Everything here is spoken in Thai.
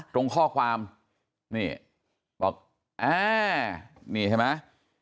ตรงข้อความนี่บอกแอ้นี่ใช่มั้ย